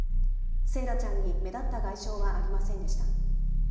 惺愛ちゃんに目立った外傷はありませんでした。